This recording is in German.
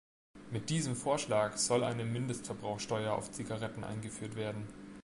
Mit diesem Vorschlag soll eine Mindestverbrauchsteuer auf Zigaretten eingeführt werden.